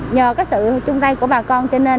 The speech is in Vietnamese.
nhờ cái sự chung tay của bà con cho nên